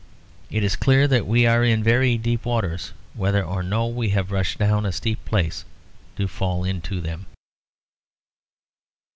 It is clear that we are in very deep waters, whether or no we have rushed down a steep place to fall into them.